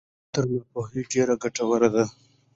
زده کړې تر ناپوهۍ ډېرې ګټورې دي.